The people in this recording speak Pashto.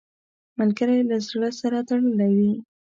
ملګری له زړه سره تړلی وي